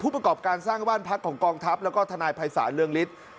ประกอบการสร้างบ้านพักของกองทัพแล้วก็ทนายภัยศาลเรืองฤทธิ์